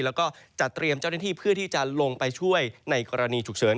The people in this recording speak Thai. แล้วก็จัดเตรียมเจ้าหน้าที่เพื่อที่จะลงไปช่วยในกรณีฉุกเฉิน